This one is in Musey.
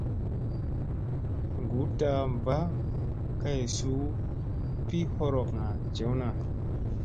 Ngutda Mba Kay Suu Pi Horokŋa Jewna.